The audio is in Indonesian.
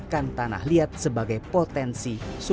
jamur tunas rumput bahkan tanah liat sebagai potensi sumber potasium